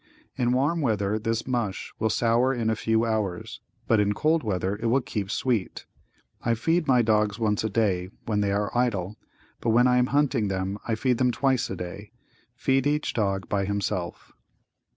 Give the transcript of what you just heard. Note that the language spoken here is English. In warm weather this mush will sour in a few hours, but in cold weather it will keep sweet. I feed my dogs once a day when they are idle, but when I am hunting them I feed them twice a day. Feed each dog by himself.